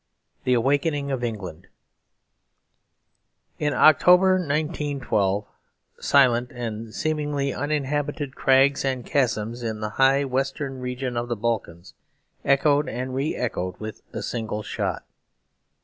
IX The Awakening of England In October 1912 silent and seemingly uninhabited crags and chasms in the high western region of the Balkans echoed and re echoed with a single shot.